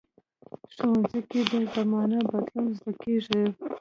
ښوونځی کې د زمانه بدلون زده کېږي